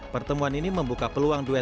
pertemuan ini membuka peluang duet